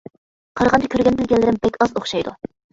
قارىغاندا كۆرگەن بىلگەنلىرىم بەك ئاز ئوخشايدۇ.